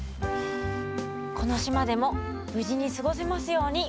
この島でも無事に過ごせますように。